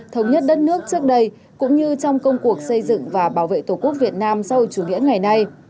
thống nhất đất nước trước đây cũng như trong công cuộc xây dựng và bảo vệ tổ quốc việt nam sau chủ nghĩa ngày nay